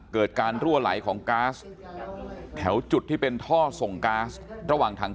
เกิดการรั่วไหลของก๊าซแถวจุดที่เป็นท่อส่งก๊าซระหว่างทาง